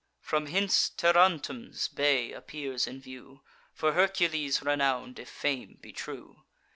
"From hence Tarentum's bay appears in view, For Hercules renown'd, if fame be true.